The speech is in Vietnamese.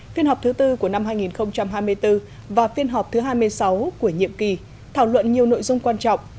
phiên họp thứ tư của năm hai nghìn hai mươi bốn và phiên họp thứ hai mươi sáu của nhiệm kỳ thảo luận nhiều nội dung quan trọng